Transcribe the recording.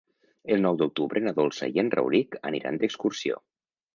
El nou d'octubre na Dolça i en Rauric aniran d'excursió.